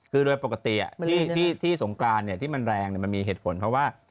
คือโดยปกติที่สงกรานที่มันแรงมันมีเหตุผลเพราะว่า